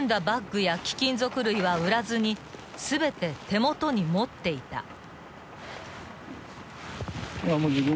バッグや貴金属類は売らずに全て手元に持っていた］